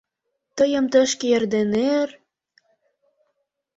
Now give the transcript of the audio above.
Тыйым тышке эрден эр...